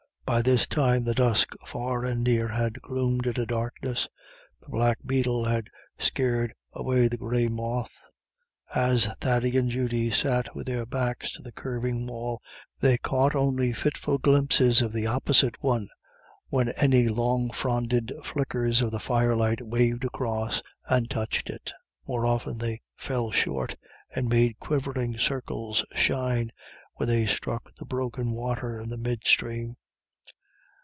By this time the dusk far and near had gloomed into darkness the black beetle had scared away the grey moth. As Thady and Judy sat with their backs to the curving wall, they caught only fitful glimpses of the opposite one when any long fronded flickers of the fire light waved across and touched it. More often they fell short, and made quivering circles shine where they struck the broken water in the mid stream.